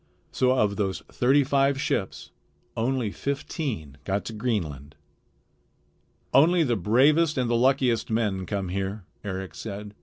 So of those thirty five ships only fifteen got to Greenland. "Only the bravest and the luckiest men come here," Eric said.